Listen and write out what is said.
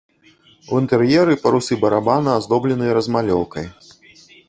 У інтэр'еры парусы барабана аздобленыя размалёўкай.